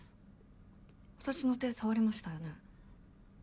私の手触りましたよね？